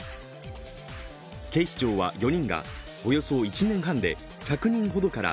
警視庁は４人がおよそ１年半で１００人ほどから